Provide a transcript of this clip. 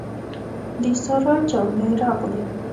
د سارا جامې راغلې.